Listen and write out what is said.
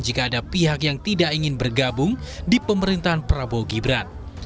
jika ada pihak yang tidak ingin bergabung di pemerintahan prabowo gibran